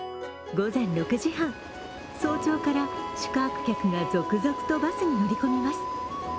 午前６時半、早朝から宿泊客が続々とバスに乗り込みます。